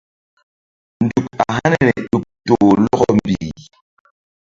Nzuk a haniri ɗuk toh lɔkɔ mbih.